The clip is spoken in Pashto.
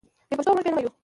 بې پښتوه موږ بې نومه یو.